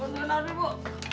bukan hari bu